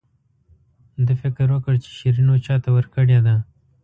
ده فکر وکړ چې شیرینو چاته ورکړې ده.